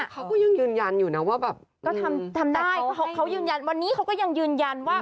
เขาก็ยังยืนยันอยู่นะว่าแบบก็ทำได้เขายืนยันวันนี้เขาก็ยังยืนยันว่า